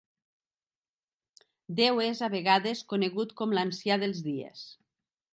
Déu és a vegades conegut com l"Ancià dels Dies.